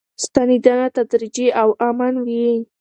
ستنېدنه تدریجي او امن وي.